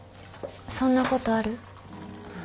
そんなことある？